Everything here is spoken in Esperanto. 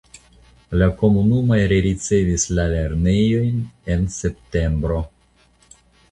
La komunumoj rericevis la lernejojn en septembro.